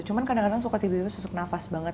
cuma kadang kadang suka tiba tiba sesak nafas banget